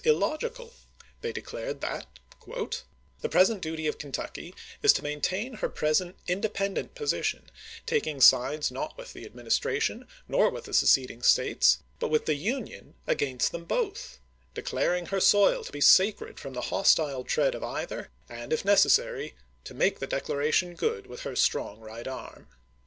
illogical. They declared that : The present duty of Kentucky is to maintain her pres ent independent position, taking sides not with the Ad ministration, nor with the seceding States, hut with the Moore, Union against them both ; declaring her soil to be sacred " Record/" from the hostile tread of either; and, if necessary, to ^ u,'„^e„^g*"^' make the declaration good with her strong right arm.